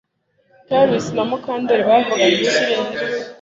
Trix na Mukandoli bavugaga ikirere